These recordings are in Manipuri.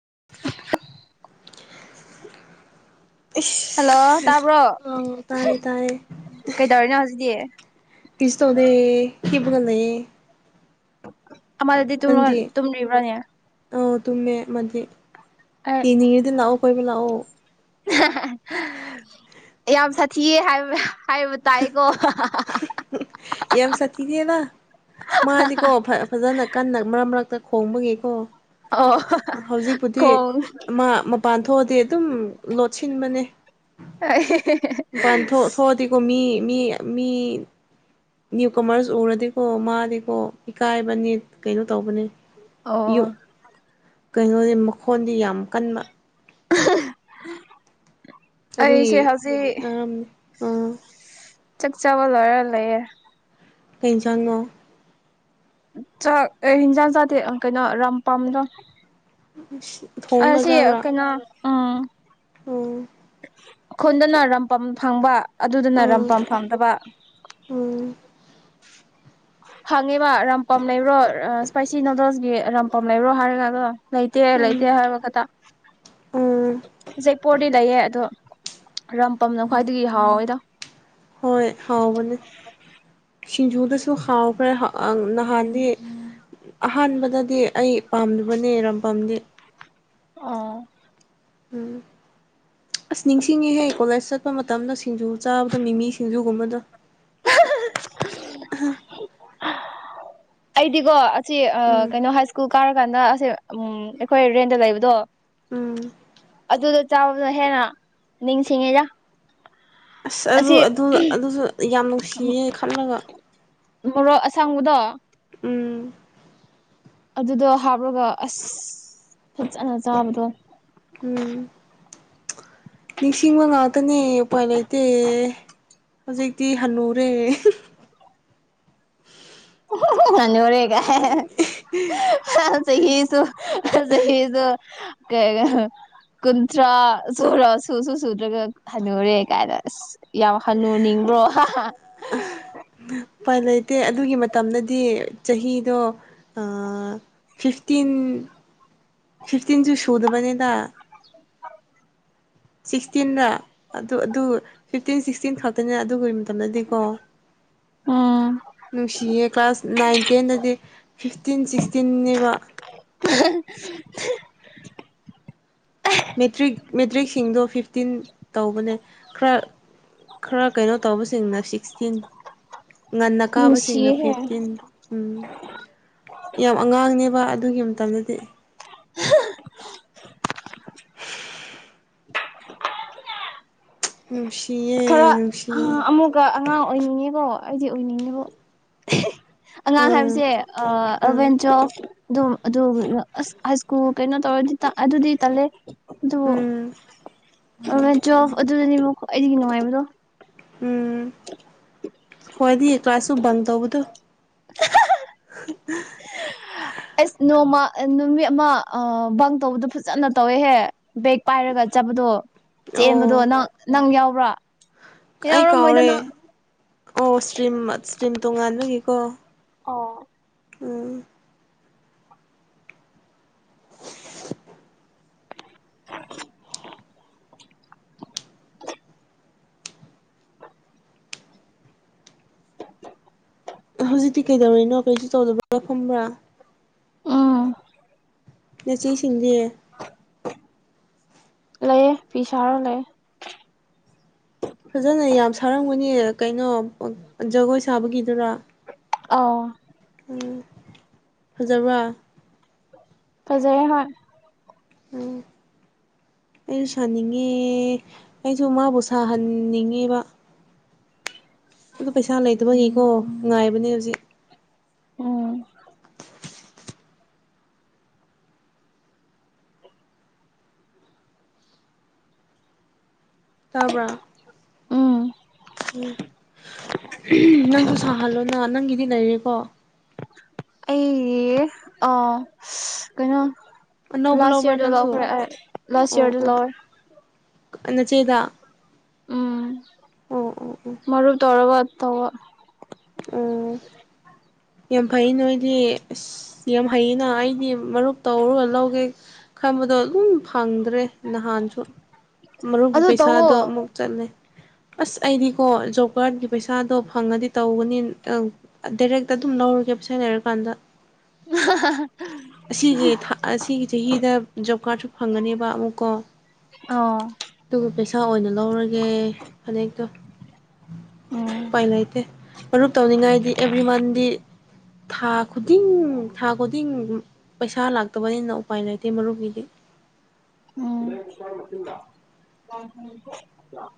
[inaudible] ꯏꯁ ꯍꯜꯂꯣ ꯇꯥꯕ꯭ꯔꯣ ꯑꯥꯎ ꯇꯥꯏꯌꯦ ꯇꯥꯏꯌꯦ ꯀꯩꯗꯧꯔꯤꯅꯣ ꯍꯧꯖꯤꯛ ꯇꯤ ꯀꯩꯁꯨ ꯇꯧꯗꯦ ꯍꯤꯞꯄꯒ ꯂꯩꯌꯦ ꯑꯃꯗꯨꯗꯤ ꯅꯪꯗꯤ [unintelligible] ꯇꯨꯝꯔꯤꯕꯅꯦ ꯑꯧ ꯇꯨꯝꯃꯦ ꯃꯥꯗꯤ ꯌꯦꯡꯅꯤꯡꯉꯗꯤ ꯂꯥꯛꯑꯣ ꯀꯣꯏꯕ ꯂꯥꯛꯑꯣ ꯍꯥ ꯍꯥ ꯌꯥꯝ ꯁꯥꯊꯤꯌꯦ ꯍꯥꯏꯕ ꯍꯥꯏꯕ ꯇꯥꯏꯀꯣ ꯍꯥꯍꯥꯍꯥ ꯌꯥꯝ ꯁꯥꯊꯤꯅꯦꯅ ꯃꯥꯗꯤꯀꯣ ꯐꯥ ꯐꯖꯅ ꯀꯟꯅ ꯃꯔꯛ ꯃꯔꯛꯇ ꯈꯣꯡꯕꯒꯤꯀꯣ ꯑꯣ ꯍꯧꯖꯤꯛꯄꯨꯗꯤ ꯈꯣꯡ ꯑꯃ ꯃꯄꯥꯟ ꯊꯣꯛꯑꯗꯤ ꯑꯗꯨꯝ ꯂꯣꯠꯁꯤꯟꯕꯅꯦ ꯑꯥ ꯍꯦ ꯍꯦ ꯃꯄꯥꯟ ꯊꯣꯛ ꯊꯣꯛꯑꯗꯤꯀꯣ ꯃꯤ ꯃꯤ ꯃꯤ ꯅ꯭ꯌꯨ ꯀꯃꯔꯁ ꯎꯔꯗꯤꯀꯣ ꯃꯥꯗꯤꯀꯣ ꯏꯀꯥꯏꯕꯅꯦ ꯀꯩꯅꯣ ꯇꯧꯕꯅꯦ ꯑꯣ ꯀꯩꯅꯣꯗꯤ ꯃꯈꯣꯟꯗꯤ ꯌꯥꯝ ꯀꯟꯕ ꯑꯍꯍ ꯑꯩꯁꯦ ꯍꯧꯖꯤꯛ ꯎꯝ ꯆꯛꯆꯥꯥꯕ ꯂꯣꯢꯔ ꯂꯩꯌꯦ ꯀꯩ ꯏꯟꯖꯥꯡꯅꯣ ꯆꯥꯛ ꯑꯩ ꯍꯤꯟꯖꯥꯡ ꯆꯥꯗꯦ ꯑꯥ ꯀꯩꯅꯣ ꯔꯝ ꯄꯝꯗꯣ ꯑꯥ ꯊꯣꯡꯒ ꯁꯤ ꯆꯥꯕ꯭ꯔꯥ ꯀꯩꯅꯣ ꯎꯝ ꯎꯝ ꯈꯨꯟꯗꯅ ꯔꯝ ꯄꯝ ꯐꯪꯕ ꯑꯗꯨꯗꯅ ꯔꯝ ꯎꯝ ꯄꯝ ꯐꯪꯗꯕ ꯎꯝ ꯍꯪꯉꯦꯕ ꯔꯝ ꯄꯝ ꯂꯩꯕ꯭ꯔꯣ ꯑꯥ ꯁ꯭ꯄꯥꯏꯁꯤ ꯅꯨꯗꯜꯁꯀꯤ ꯔꯝ ꯄꯝ ꯂꯩꯕ꯭ꯔꯣ ꯍꯥꯏꯔꯒꯗꯣ ꯂꯩꯇꯦ ꯂꯩꯇꯦ ꯎꯝ ꯍꯥꯏꯕ ꯈꯛꯇ ꯎꯝ ꯎꯆꯦꯛꯄꯨꯔꯗꯤ ꯂꯩꯌꯦ ꯑꯗꯣ ꯔꯝꯄꯝꯅ ꯈ꯭ꯋꯥꯏꯗꯒꯤ ꯍꯥꯎꯋꯦꯗ ꯁꯤꯡꯖꯨꯗꯨꯁꯨ ꯍꯥꯎꯈ꯭ꯔꯦ ꯍꯥ ꯑꯥ ꯅꯍꯥꯟꯗꯤ ꯑꯍꯥꯟꯕꯗꯗꯤ ꯑꯩ ꯄꯥꯝꯗꯕꯅꯦ ꯔꯝꯄꯝꯗꯤ ꯑꯥ ꯎꯝ ꯑꯁ ꯅꯤꯡꯁꯤꯡꯉꯤꯍꯦ ꯀꯣꯜꯂꯦꯖ ꯆꯠꯄ ꯃꯇꯝꯗ ꯁꯤꯡꯖꯨ ꯆꯥꯕꯗꯣ ꯃꯤꯃꯤ ꯁꯤꯡꯖꯨꯒꯨꯝꯕꯗꯣ ꯍꯥ ꯍꯥ ꯑꯩꯗꯤꯀꯣ ꯑꯁꯤ ꯑꯥ ꯎꯝ ꯀꯩꯅꯣ ꯍꯥꯏ ꯁ꯭ꯀꯨꯜ ꯀꯥꯔꯀꯥꯟꯗ ꯑꯁꯦ ꯎꯝ ꯑꯈꯣꯏ ꯔꯦꯟꯠꯗ ꯂꯩꯕꯗꯣ ꯎꯝ ꯑꯗꯨꯗ ꯆꯥꯕꯅ ꯍꯦꯟꯅ ꯅꯤꯡꯁꯤꯡꯉꯤꯗ ꯑꯁ ꯑꯗꯨ ꯑꯗꯨ ꯑꯗꯨꯁꯨ ꯌꯥꯝ ꯅꯨꯡꯁꯤꯌꯦ ꯈꯜꯂꯒ ꯃꯣꯔꯣꯛ ꯑꯁꯥꯡꯕꯗꯣ ꯎꯝ ꯑꯗꯨꯗꯣ ꯍꯥꯞꯂꯒ ꯑꯁ ꯐꯠꯖꯅ ꯆꯥꯕꯗꯣ ꯎꯝ ꯅꯤꯡꯁꯤꯡꯕ ꯉꯥꯛꯇꯅꯦ ꯎꯄꯥꯏ ꯂꯩꯇꯦ ꯍꯧꯖꯤꯛꯇꯤ ꯍꯟꯅꯨꯔꯦ ꯎꯍꯝ ꯑꯍꯍ ꯍꯟꯅꯨꯔꯦ ꯀꯥꯏꯅ ꯍ ꯑꯍ ꯆꯍꯤꯁꯨ ꯍꯥ ꯆꯍꯤꯁꯨ ꯀꯩꯒ ꯀꯨꯟꯊ꯭ꯔꯥ ꯁꯨꯔ ꯁꯨꯁꯨ ꯁꯨꯗ꯭ꯔꯒ ꯍꯟꯅꯨꯔꯦ ꯀꯥꯏꯅ ꯑꯁ ꯌꯥꯝ ꯍꯅꯨꯅꯤꯡ ꯔꯣ ꯍꯥꯍꯥ ꯎꯄꯥꯏ ꯂꯩꯇꯦ ꯑꯗꯨꯒꯤ ꯃꯇꯝꯗꯗꯤ ꯆꯍꯤꯗꯣ ꯑꯥ ꯐꯤꯐꯇꯤꯟ ꯐꯤꯐꯇꯤꯟꯁꯨ ꯁꯨꯗꯕꯅꯤꯗ ꯁꯤꯛꯁꯇꯤꯟꯔ ꯑꯗꯨ ꯑꯗꯨ ꯐꯤꯞꯇꯤꯟ ꯁꯤꯛꯁꯇꯤꯟ ꯈꯛꯇꯅꯤ ꯑꯗꯨꯏ ꯇꯝꯗꯗꯤꯀꯣ ꯎꯝ ꯅꯨꯡꯁꯤꯌꯦ ꯀ꯭ꯂꯥꯁ ꯅꯥꯏꯟ ꯇꯦꯟꯗꯗꯤ ꯐꯤꯐꯇꯤꯟ ꯁꯤꯛꯁꯇꯤꯟꯅꯦꯕ ꯃꯦꯇ꯭ꯔꯤꯛ ꯃꯦꯇ꯭ꯔꯤꯛꯁꯤꯡꯗꯣ ꯐꯤꯐꯇꯤꯟ ꯇꯧꯕꯅꯦ ꯈꯥꯔ ꯈꯥꯔ ꯀꯩꯅꯣ ꯇꯧꯕꯁꯤꯡꯅ ꯁꯤꯛꯁꯇꯤꯟ ꯉꯟꯅ ꯀꯥꯕꯁꯤꯡꯅ ꯅꯨꯡꯁꯤꯍꯦ ꯐꯤꯐꯇꯤꯟ ꯎꯝ ꯌꯥꯝ ꯑꯉꯥꯡꯅꯦꯕ ꯑꯗꯨꯒꯤ ꯃꯇꯝꯗꯗꯤ ꯅꯨꯡꯁꯤꯌꯦ ꯈꯔ ꯅꯨꯡꯁꯤ ꯑꯃꯨꯛꯀ ꯑꯉꯥꯡ ꯑꯣꯏꯅꯤꯡꯉꯤꯀꯣ ꯑꯩꯗꯤ ꯑꯣꯏꯅꯤꯡꯉꯦꯕꯣ ꯑꯍ ꯑꯉꯥꯡ ꯎꯝ ꯍꯥꯏꯕꯁꯦ ꯑꯥ ꯑꯦꯜꯚꯦꯟ ꯎꯝ ꯇ꯭ꯋꯦꯜꯐ ꯑꯗꯨꯝ ꯑꯗꯨ ꯑꯁ ꯍꯥꯏꯁ꯭ꯀꯨꯜ ꯀꯩꯅꯣ ꯇꯧꯔꯗꯤ ꯇ ꯑꯗꯨꯗꯤ ꯇꯜꯂꯦ ꯑꯗꯨ ꯎꯝ ꯑꯦꯜꯚꯦꯟ ꯇ꯭ꯋꯦꯜꯐ ꯑꯗꯨꯗꯅꯦꯕ ꯈ꯭ꯋꯥꯏꯗꯩꯒꯤ ꯅꯨꯡꯉꯥꯏꯕꯗꯣ [inaudible] ꯈꯣꯏꯗꯤ ꯀ꯭ꯂꯥꯁꯁꯨ ꯕꯪ ꯇꯧꯕꯗꯨ ꯍꯥ ꯑꯩꯁ ꯅꯣꯡꯃ ꯅꯨꯃꯤꯠ ꯑꯃ ꯑꯥ ꯕꯪ ꯇꯧꯕꯗꯣ ꯐꯖꯅ ꯇꯧꯋꯦꯍꯦ ꯕꯦꯛ ꯄꯥꯏꯔꯒ ꯆꯠꯄꯗꯣ ꯆꯦꯟꯕꯗꯣ ꯑꯣ ꯅꯪ ꯅꯪ ꯌꯥꯎꯕ꯭ꯔꯥ ꯑꯩ ꯌꯥꯎꯔꯝꯃꯣꯏꯗ ꯀꯥꯎꯔꯦ ꯅꯪ ꯑꯣ ꯁ꯭ꯇꯔꯤꯝ ꯁ꯭ꯇꯔꯤꯝ ꯇꯣꯉꯥꯟꯕꯒꯤꯀꯣ ꯑꯣ ꯎꯝ [inaudible] [inaudible] ꯍꯧꯖꯤꯛꯇꯤ ꯀꯩꯗꯧꯔꯤꯅꯣ ꯀꯩꯁꯨ ꯇꯧꯗꯕ꯭ꯔꯥ ꯐꯝꯕ꯭ꯔꯥ ꯑꯥ ꯅꯆꯦ ꯁꯤꯡꯗꯤ ꯂꯩꯌꯦ ꯐꯤ ꯁꯥꯔ ꯂꯩ ꯐꯖꯅ ꯌꯥꯝ ꯁꯥꯔꯝꯒꯅꯦ ꯀꯩꯅꯣ ꯖꯒꯣꯏ ꯁꯥꯕꯒꯤꯗꯨꯔ ꯑꯧ ꯎꯝ ꯐꯖꯕ꯭ꯔꯥ ꯐꯖꯩ ꯍꯣꯏ ꯑꯩ ꯁꯥꯅꯤꯡꯉꯦ ꯑꯩꯁꯨ ꯃꯥꯕꯨ ꯁꯥꯍꯟꯅꯤꯡꯉꯦꯕ ꯑꯗꯨ ꯄꯩꯁꯥ ꯂꯩꯇꯕꯒꯤꯀꯣ ꯉꯥꯏꯕꯅꯦ ꯍꯧꯖꯤꯛ ꯎꯝ ꯇꯥꯕ꯭ꯔꯥ ꯎꯝ ꯃꯤ ꯂꯩꯔꯤꯀꯣ ꯑꯩꯒꯤ ꯑꯥ [unintelligible] ꯀꯩꯅꯣ ꯑꯅꯧꯕ ꯂꯥꯁ ꯂꯧꯕ꯭ꯔꯥ ꯌꯤꯔꯗ ꯅꯪꯁꯨ ꯂꯧꯈ꯭ꯔꯦ ꯑꯩ ꯂꯥꯁ ꯑꯣ ꯌꯤꯔꯗ ꯑꯣ ꯂꯧꯔꯦ ꯅꯆꯦꯗ ꯎꯝ ꯑꯣ ꯑꯣ ꯑꯣ ꯃꯔꯨꯞ ꯇꯧꯔꯒ ꯇꯧꯕ ꯑꯣ ꯌꯥꯝ ꯐꯩ ꯅꯣꯏꯗꯤ ꯑꯁ ꯌꯥꯝ ꯍꯩꯌꯦꯅ ꯑꯩꯗꯤ ꯃꯔꯨꯞ ꯇꯧꯔꯒ ꯂꯧꯒꯦ ꯈꯟꯕꯗꯣ ꯗꯨꯝ ꯐꯪꯗ꯭ꯔꯦ ꯅꯍꯥꯟꯁꯨ ꯃꯔꯨꯞ ꯑꯗꯨ ꯇꯧꯋꯣ ꯄꯩꯁꯥꯗꯣ ꯑꯃꯨꯛ ꯆꯠꯂꯦ ꯑꯁ ꯑꯩꯗꯤꯀꯣ ꯖꯣꯕ ꯀꯥꯔꯠꯒꯤ ꯄꯩꯁꯥꯗꯣ ꯐꯪꯉꯗꯤ ꯇꯧꯒꯅꯤ ꯑꯪ ꯗꯥꯏꯔꯦꯛꯇ ꯑꯗꯨꯝ ꯂꯧꯔꯒꯦ ꯄꯩꯁꯥ ꯂꯩꯔꯀꯥꯟꯗ ꯑꯍꯥ ꯑꯍꯥ ꯑꯁꯤꯒꯤ ꯊꯥ ꯑꯁꯤꯒꯤ ꯆꯍꯤꯗ ꯖꯣꯕ ꯀꯥꯔꯠꯁꯨ ꯐꯪꯉꯅꯦꯕ ꯑꯃꯨꯛꯀꯣ ꯑꯥ ꯗꯨꯒ ꯄꯩꯁꯥ ꯑꯣꯏꯅ ꯂꯧꯔꯒꯦ ꯐꯅꯦꯛꯇꯣ ꯎꯝ ꯎꯄꯥꯏ ꯂꯩꯇꯦ ꯃꯔꯨꯞ ꯇꯧꯅꯤꯡꯉꯥꯏꯗꯤ ꯑꯦꯕ꯭ꯔꯤ ꯃꯟꯗꯤ ꯊꯥ ꯈꯨꯗꯤꯡ ꯊꯥ ꯈꯨꯗꯤꯡ ꯄꯩꯁꯥ ꯂꯥꯛꯇꯕꯅꯤꯅ ꯎꯄꯥꯏ ꯂꯩꯇꯦ ꯃꯔꯨꯞꯀꯤꯗꯤ ꯎꯝ [unintelligible]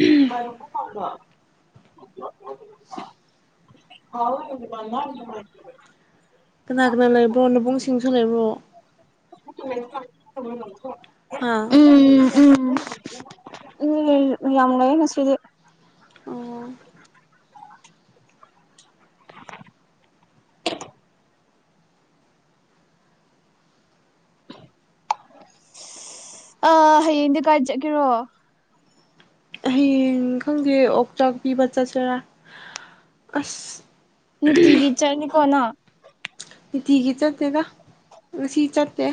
[unintelligible] [unintelligible] ꯀꯅꯥ ꯀꯅꯥ ꯂꯩꯕ꯭ꯔꯣ ꯅꯕꯨꯡ ꯁꯤꯡꯁꯨ ꯂꯩꯕ꯭ꯔꯣ ꯍꯥ ꯎꯝ ꯎꯝ ꯂꯩ ꯃꯌꯥꯝ ꯂꯩ ꯉꯁꯤꯗꯤ ꯑꯣ ꯑꯥ ꯍꯌꯦꯡꯗꯤ ꯀꯥꯏ ꯆꯠꯀꯦꯔꯣ ꯍꯌꯦꯡ ꯈꯪꯗꯦ ꯑꯣꯛꯆꯥꯛ ꯄꯤꯕ ꯆꯠꯁꯤꯔꯥ ꯑꯁ ꯅꯨꯡꯇꯤꯒꯤ ꯆꯠꯅꯤꯀꯣꯅ ꯅꯨꯡꯇꯤꯒꯤ ꯆꯠꯇꯦꯗ ꯉꯁꯤ ꯆꯠꯇꯦ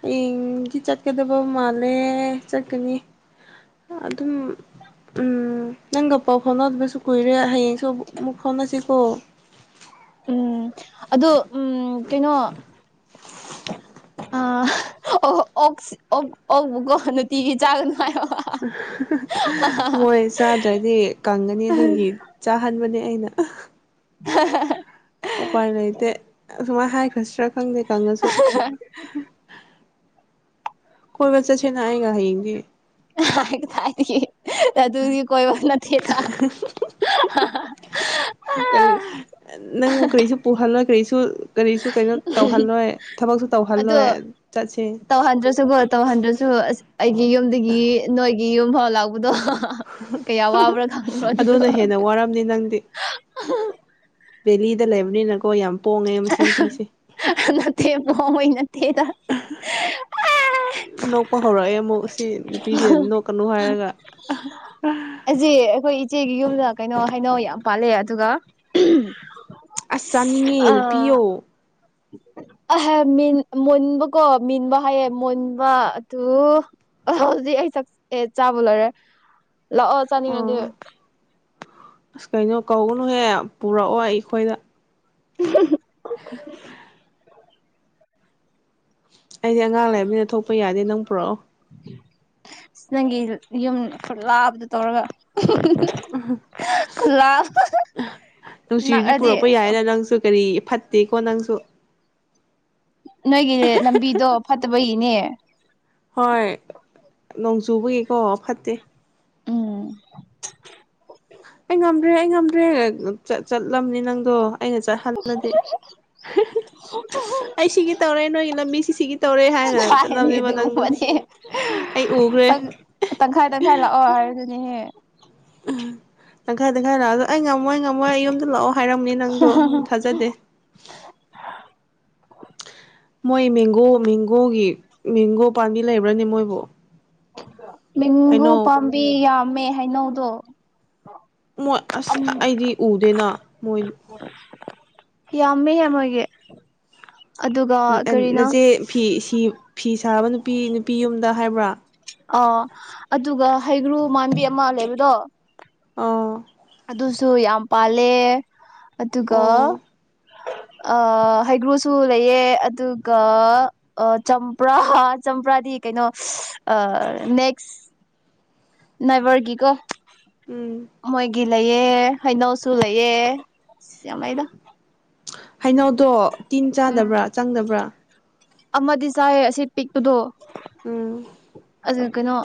ꯍꯌꯦꯡꯗꯤ ꯆꯠꯀꯗꯕ ꯃꯥꯜꯂꯦ ꯆꯠꯀꯅꯤ ꯑꯗꯨꯝ ꯎꯝ ꯅꯪꯒ ꯄꯥꯎ ꯐꯥꯎꯅꯗꯕꯁꯨ ꯀꯨꯏꯔꯦ ꯍꯌꯦꯡꯁꯨ ꯑꯃꯨꯛ ꯐꯥꯎꯅꯁꯤꯀꯣ ꯎꯝ ꯑꯗꯨ ꯎꯝ ꯀꯩꯅꯣ ꯑꯥ ꯑꯣ ꯑꯣꯛꯁ ꯑꯣꯛ ꯑꯣꯛꯄꯨꯀꯣ ꯅꯨꯡꯇꯤꯒꯤ ꯆꯥꯒꯅꯨ ꯍꯥꯏꯌꯣ ꯃꯣꯏ ꯆꯥꯗ꯭ꯔꯗꯤ ꯀꯪꯒꯅꯤ ꯑꯗꯨꯒꯤ ꯆꯥꯍꯟꯕꯅꯦ ꯑꯩꯅ [unintelligible] [unintelligible] ꯑꯗꯨꯃꯥꯏꯅ ꯍꯥꯏꯈ꯭ꯔꯁꯤꯔꯥ ꯈꯪꯗꯦ ꯀꯪꯉꯁꯨ ꯀꯣꯏꯕ ꯆꯠꯁꯦꯅ ꯑꯩꯒ ꯍꯌꯦꯡꯗꯤ ꯀꯗꯥꯏꯗꯒꯤ ꯑꯗꯨꯗꯤ ꯀꯣꯏꯕ ꯅꯠꯇꯦ ꯗ [unintelligible] ꯀꯔꯤ ꯅꯪꯕꯨ ꯀꯔꯤꯁꯨ ꯄꯨꯍꯜꯂꯣꯏ ꯀꯔꯤꯁꯨ ꯀꯔꯤꯁꯨ ꯀꯩꯅꯣ [unintelligible] ꯇꯧꯍꯜꯂꯣꯏ ꯊꯕꯛꯁꯨ ꯑꯗꯣ ꯇꯧꯍꯜꯂꯣꯏ ꯆꯠꯁꯦ ꯇꯧꯍꯟꯗ꯭ꯔꯁꯨꯀꯣ ꯇꯧꯍꯟꯗ꯭ꯔꯁꯨ [unintelligible] ꯑꯁ ꯑꯩꯒꯤ ꯌꯨꯝꯗꯒꯤ ꯅꯣꯏꯒꯤ ꯌꯨꯝ ꯐꯥꯎ ꯂꯥꯛꯄꯗꯣ ꯍꯥ ꯍꯥ ꯀꯌꯥ ꯋꯥꯕ꯭ꯔꯥ ꯈꯪꯕ꯭ꯔꯣ ꯑꯗꯨꯗꯣ ꯑꯗꯨꯅ ꯍꯦꯟꯅ ꯋꯥꯔꯝꯅꯤ [unintelligible] ꯗꯦꯂꯤꯗ ꯂꯩꯕꯅꯤꯅꯀꯣ ꯌꯥꯝ ꯄꯣꯡꯉꯦ ꯃꯁꯤ ꯅꯨꯄꯤꯁꯦ ꯅꯠꯇꯦ ꯄꯣꯡꯕꯩ [unintelligible] ꯅꯣꯛꯄ ꯍꯧꯔꯛꯑꯦ ꯑꯃꯨꯛ ꯁꯤ ꯅꯨꯄꯤꯁꯦ ꯅꯣꯛꯀꯅꯨ ꯍꯥꯏꯔꯒ ꯑꯁꯤ ꯑꯩꯈꯣꯏ ꯏꯆꯦꯒꯤ ꯌꯨꯝꯗ ꯀꯩꯅꯣ ꯍꯩꯅꯧ ꯌꯥꯝ ꯄꯥꯜꯂꯦ ꯑꯗꯨꯒ ꯑꯁ ꯆꯥꯅꯤꯡꯉꯦ ꯄꯤꯌꯣ [inaudible] ꯑꯍꯥ ꯃꯤꯟ ꯃꯨꯟꯕ ꯀꯣ ꯃꯤꯟꯕ ꯍꯥꯏꯌꯦ ꯃꯨꯟꯕ ꯑꯇꯣ ꯍꯧꯖꯤꯛ ꯑꯦ ꯁꯛ ꯑꯦ ꯆꯥꯕ ꯂꯣꯏꯔꯦ ꯂꯥꯛꯑꯣ ꯆꯥꯅꯤꯡꯉꯗꯤ ꯑꯣ ꯑꯁ ꯀꯩꯅꯣ ꯀꯧꯒꯅꯨꯍꯦ ꯄꯨꯔꯛꯑꯣ ꯑꯩꯈꯣꯏꯗ [unintelligible] ꯑꯩꯗꯤ ꯑꯉꯥꯡ ꯂꯩꯕꯅꯤꯅ ꯊꯣꯛꯄ ꯌꯥꯗꯦ ꯅꯪ ꯄꯨꯔꯛꯑꯣ ꯑ ꯅꯪꯒꯤ ꯌꯨꯝ ꯈꯨ ꯂꯥꯕꯗꯣ ꯇꯧꯔꯒ ꯈꯨꯂꯥꯞ ꯅꯨꯡꯁꯤꯔꯗꯤ ꯄꯨꯔꯛꯄ ꯌꯥꯏꯅ ꯅꯪꯁꯨ ꯀꯔꯤ ꯐꯠꯇꯦꯀꯣ ꯅꯪꯁꯨ ꯅꯣꯏꯒꯤ ꯂꯝꯕꯤꯗꯣ ꯐꯠꯇꯕꯒꯤꯅꯦ ꯍꯣꯏ ꯅꯣꯡ ꯆꯨꯕꯒꯤꯀꯣ ꯐꯠꯇꯦ ꯎꯝ ꯑꯩ ꯉꯝꯗ꯭ꯔꯦ ꯑꯩ ꯉꯝꯗ꯭ꯔꯦ ꯆꯠꯂꯝꯅꯤ ꯅꯪꯗꯣ ꯑꯩꯅ ꯆꯠꯍꯜꯂꯗꯤ [inaudible] ꯑꯩ ꯁꯤꯒꯤ ꯇꯧꯔꯦ ꯅꯣꯏꯒꯤ ꯂꯝꯕꯤꯁꯤ ꯁꯤꯒꯤ ꯇꯧꯔꯦ ꯍꯥꯏꯅ ꯍꯥꯏꯗꯤ ꯆꯠꯂꯝꯅꯦ ꯃ ꯅꯪꯗꯣ ꯑꯗꯨꯒꯨꯝꯕꯗꯤ ꯑꯩ ꯎꯈ꯭ꯔꯦ ꯇꯪ ꯇꯪꯈꯥꯏ ꯇꯪꯈꯥꯏ ꯂꯥꯛꯑꯣ ꯍꯥꯏꯔꯗꯨꯅꯦꯍꯦ ꯇꯪꯈꯥꯏ ꯇꯪꯈꯥꯏ ꯂꯥꯛꯑꯗꯣ ꯑꯩ ꯉ ꯉꯝꯃꯣꯏ ꯉꯝꯃꯣꯏ ꯌꯨꯝꯗ ꯂꯥꯛꯑꯣ ꯍꯥꯏꯔꯝꯅꯤ ꯅꯪꯗꯣ ꯊꯥꯖꯗꯦ ꯃꯣꯏ ꯃꯦꯡꯒꯣ ꯃꯦꯡꯒꯣꯒꯤ ꯃꯦꯡꯒꯣ ꯄꯥꯝꯕꯤ ꯂꯩꯕ꯭ꯔꯅꯦ ꯃꯣꯏꯕꯨ ꯃꯦꯡꯒꯨ ꯍꯩꯅꯧ ꯄꯥꯝꯕꯤ ꯌꯥꯝꯃꯦ ꯍꯥꯏꯩꯅꯧꯗꯣ ꯃꯣꯏ ꯑꯁ ꯑꯩꯗꯤ ꯎꯗꯦꯅ ꯃꯣꯏ ꯌꯥꯝꯃꯦꯍꯦ ꯃꯣꯏꯒꯤ ꯑꯗꯨꯒ ꯀꯔꯤꯅꯣ ꯅꯆꯦ ꯐꯤ ꯐꯤ ꯁꯥꯕ ꯅꯨꯄꯤ ꯅꯨꯄꯤ ꯌꯨꯝꯗ ꯍꯥꯏꯕ꯭ꯔꯥ ꯑ ꯑꯗꯨꯒ ꯍꯩꯒ꯭ꯔꯨ ꯃꯥꯟꯕꯤ ꯑꯃ ꯂꯩꯕꯗꯣ ꯑꯥ ꯑꯗꯨꯁꯨ ꯌꯥꯝ ꯄꯥꯜꯂꯦ ꯑꯗꯨꯒ ꯑꯣ ꯑ ꯍꯩꯒ꯭ꯔꯨꯁꯨ ꯂꯩꯌꯦ ꯑꯗꯨꯒ ꯑ ꯆꯝꯄ꯭ꯔꯥ ꯑꯝꯄ꯭ꯔꯥꯗꯤ ꯀꯩꯅꯣ ꯑ ꯅꯦꯛꯁ ꯅꯥꯏꯕꯔꯒꯤꯀꯣ ꯎꯝ ꯃꯣꯏꯒꯤ ꯂꯩꯌꯦ ꯍꯩꯅꯧꯁꯨ ꯂꯩꯌꯦ ꯑꯁ ꯌꯥꯝ ꯂꯩꯗ ꯍꯩꯅꯧꯗꯣ ꯇꯤꯟ ꯎꯝ ꯆꯥꯗꯕ꯭ꯔꯥ ꯆꯪꯗꯕ꯭ꯔꯥ ꯑꯃꯗꯤ ꯆꯥꯏ ꯑꯁꯤ ꯄꯤꯛꯄꯗꯣ ꯎꯝ ꯑꯗꯨ ꯀꯩꯅꯣ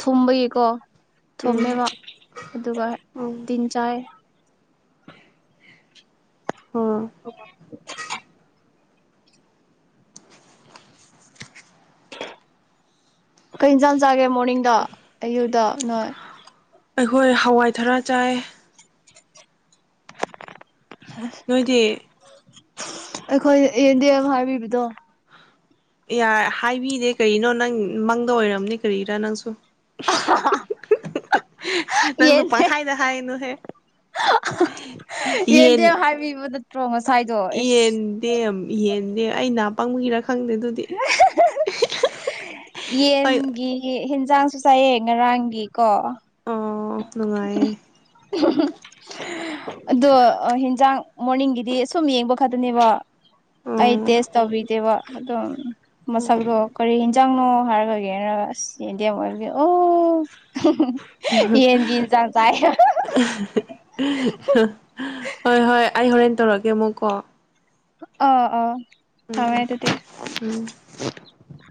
ꯊꯨꯝꯕꯒꯤꯀꯣ ꯎꯝ ꯊꯣꯝꯃꯦꯕ ꯑꯗꯨꯒ ꯎꯝ ꯇꯤꯟ ꯆꯥꯏ ꯍ ꯀꯩ ꯏꯟꯁꯥꯡ ꯆꯥꯒꯦ ꯃꯣꯔꯅꯤꯡꯗ ꯑꯌꯨꯗ ꯅꯣꯏ ꯑꯩꯈꯣꯏ ꯍꯋꯥꯏ ꯊꯔꯥ ꯆꯥꯏ ꯅꯣꯏꯗꯤ ꯑꯈꯣꯏ ꯌꯦꯟꯗꯦꯝ ꯍꯥꯏꯕꯤꯕꯗꯣ ꯌꯥ ꯍꯥꯏꯕꯤꯗꯦ ꯀꯔꯤꯅꯣ ꯅꯪ ꯃꯪꯗ ꯑꯣꯏꯔꯝꯅꯦ ꯀꯔꯤꯔ ꯅꯪꯁꯨ ꯅꯪꯗꯨ ꯌꯦꯟꯗꯦ ꯄꯪ ꯍꯥꯏꯗ ꯍꯥꯏꯒꯅꯨꯍꯦ ꯌꯦꯟꯗꯦꯝ ꯍꯥꯏꯕꯤꯕꯗ ꯌꯦꯟꯗꯦꯝ ꯌꯦꯟꯗꯦꯝ ꯑꯩ ꯅꯥ ꯄꯪꯕꯒꯤꯔꯥ ꯈꯪꯗꯦ ꯑꯗꯨꯗꯤ ꯍꯣꯏ ꯌꯦꯟꯒꯤ ꯍꯤꯟꯖꯥꯡꯁꯨ ꯆꯥꯏꯌꯦ ꯉꯔꯥꯡꯒꯤꯀꯣ ꯑꯣ ꯅꯨꯡꯉꯥꯏꯌꯦ [inaudible] ꯑꯗꯣ ꯍꯤꯟꯖꯥꯡ ꯃꯣꯔꯅꯤꯡꯒꯤꯗꯤ ꯁꯨꯝ ꯌꯦꯡꯕ ꯈꯛꯇꯅꯦꯕ ꯑꯩ ꯑꯣ ꯇꯦꯁ ꯇꯧꯕꯤꯗꯦꯕ ꯑꯗꯨꯝ ꯃꯁꯛꯇꯣ ꯀꯔꯤ ꯀꯔꯤ ꯍꯥꯟꯖꯥꯡꯅꯣ ꯍꯥꯏꯔꯒ ꯌꯦꯡꯑꯒ ꯌꯦꯟꯗꯝ ꯑꯣꯏꯕꯒꯤ ꯏꯟꯖꯥꯡ ꯆꯥꯏ ꯍꯣꯏ ꯍꯣꯏ ꯑꯩ ꯍꯣꯔꯦꯟ ꯇꯧꯔꯀꯦ ꯑꯃꯨꯛꯀꯣ ꯑꯥ ꯑꯥ ꯇꯧꯋꯦ ꯎꯝ ꯑꯗꯨꯗꯤ ꯎꯝ ꯎꯝ